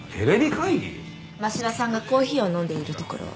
真柴さんがコーヒーを飲んでいるところを。